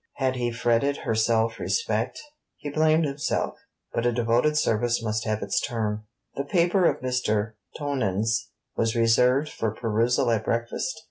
Had he fretted her self respect? He blamed himself, but a devoted service must have its term. The paper of Mr. Tonans was reserved for perusal at breakfast.